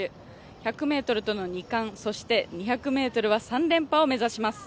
１００ｍとの２冠、そして２００ｍは３連覇を目指します。